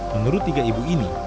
menurut tiga ibu ini